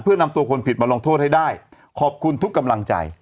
เพื่อนำตัวคนผิดมาลงโทษให้ได้ขอบคุณทุกกำลังใจ